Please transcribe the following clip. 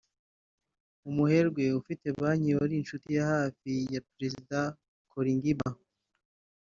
umuherwe ufite banki wari inshuti ya hafi ya Perezida Kolingba